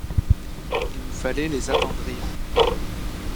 il nous fallait les attendrir.